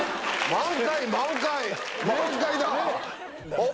満開だ！